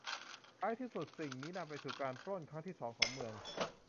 ท้ายที่สุด สิ่งนี้นำไปสู่การปล้นครั้งที่สองของเมือง